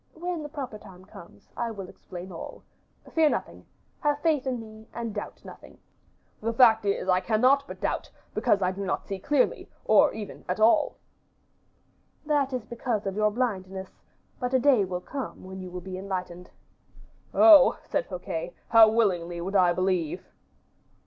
"When the proper time comes, I will explain all. Fear nothing. Have faith in me, and doubt nothing." "The fact is, I cannot but doubt, because I do not see clearly, or even at all." "That is because of your blindness; but a day will come when you will be enlightened." "Oh!" said Fouquet, "how willingly would I believe."